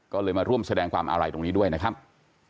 ก็เลยมาร่วมแสดงความอาลัยตรงนี้ด้วยนะครับ